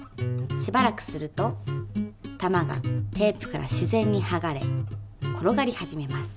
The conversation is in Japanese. しばらくすると玉がテープから自然にはがれ転がり始めます。